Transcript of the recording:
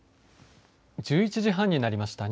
１１時半になりました。